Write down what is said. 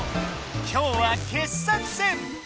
今日は傑作選。